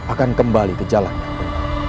akan kembali ke jalan yang benar